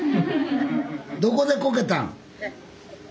どこでこけたん？